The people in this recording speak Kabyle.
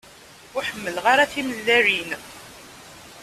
Ur ḥemmleɣ ara timellalin.